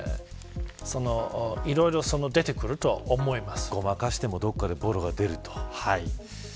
いろいろ出てくると思います。